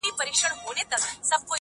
یوه خبره درته وکړمه ته راشه کنه